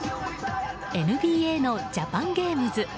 ＮＢＡのジャパンゲームズ。